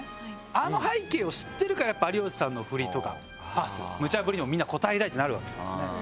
あの背景を知ってるからやっぱ有吉さんの振りとかパスむちゃ振りにもみんな応えたいってなるわけですね。